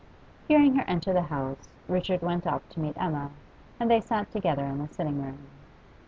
Hearing her enter the house, Richard went up to meet Emma, and they sat together in the sitting room.